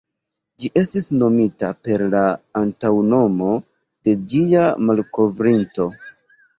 Ĝi estis nomita per la antaŭnomo de ĝia malkovrinto.